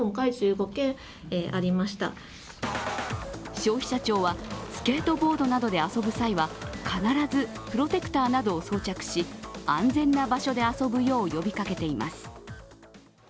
消費者庁はスケートボードなどで遊ぶ際は必ずプロテクターなどを装着し安全な場所で遊ぶよう呼びかけています。